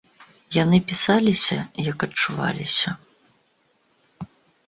Яны пісаліся, як адчуваліся.